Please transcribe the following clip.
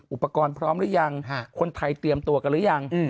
อุปกรณ์พร้อมหรือยังคนไทยเตรียมตัวกันหรือยัง